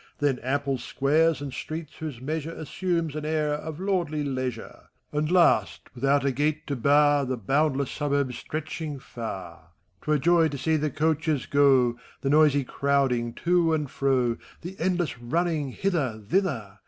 Then ample squares^ and streets whose measure Assumes an air of lordly leisure ; And last, without u gate to bar. The boundless suburbs stretefaing far. 'T were joy to see the coafches go, The noisy crowding to and fro. The endless running, hither, thither.